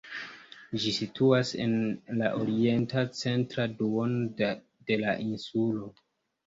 Ĝi situas en la orienta centra duono de la insulo.